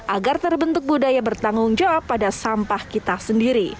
agar terbentuk budaya bertanggung jawab pada sampah kita sendiri